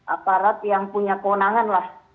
aparat yang punya kewenangan lah